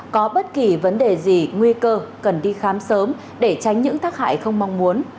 có bất kỳ vấn đề gì nguy cơ cần đi khám sớm để tránh những tác hại không mong muốn